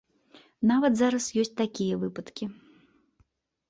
Нават зараз ёсць такія выпадкі!